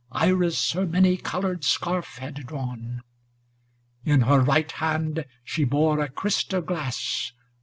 Iris her many colored scarf had drawn: * In her right hand she bore a crystal glass.